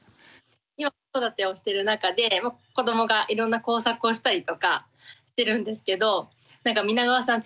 今子育てをしている中で子どもがいろんな工作をしたりとかしてるんですけど皆川さん